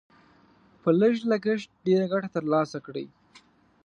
په لږ لګښت ډېره ګټه تر لاسه کړئ.